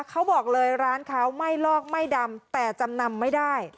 เขาบอกเลยร้านเขาไม่ลอกไม่ดำแต่จำนำไม่ได้